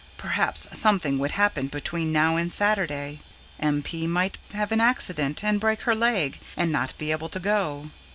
Perhaps something would happen between now and Saturday. M. P. might have an accident and break her leg, and not be able to go.